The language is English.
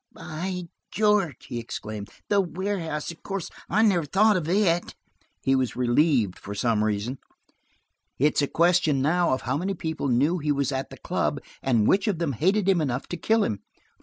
"By George!" he exclaimed. "The warehouse, of course. I never thought of it!" He was relieved, for some reason. "It's a question now of how many people knew he was at the club, and which of them hated him enough to kill him."